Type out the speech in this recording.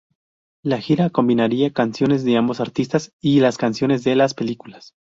La gira combinaría canciones de ambos artistas y las canciones de las películas.